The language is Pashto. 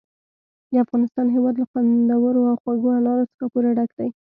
د افغانستان هېواد له خوندورو او خوږو انارو څخه پوره ډک دی.